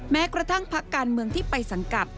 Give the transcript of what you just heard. แม้กระทั่งพักการเมืองที่ไปสังกัด